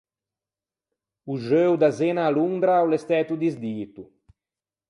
O xeuo da Zena à Londra o l’é stæto disdito.